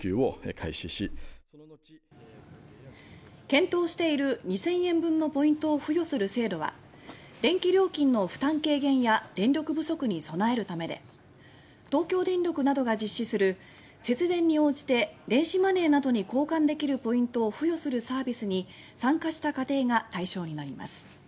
検討している２０００円分のポイントを付与する制度は電気料金の負担軽減や電力不足に備えるためで東京電力などが実施する節電に応じて電子マネーなどに交換できるポイントを付与するサービスに参加した家庭が対象になります。